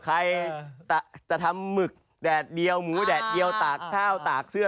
ใครจะทำหมึกแดดเดียวหมูแดดเดียวตากข้าวตากเสื้อ